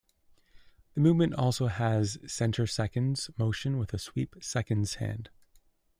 The movement also has centre seconds motion with a sweep seconds hand.